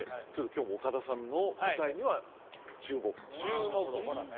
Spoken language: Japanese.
今日も岡田さんの答えには注目注目ほらね